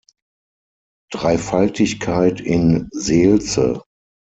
Dreifaltigkeit" in Seelze.